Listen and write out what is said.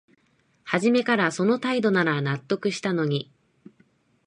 はじめからその態度なら納得したのに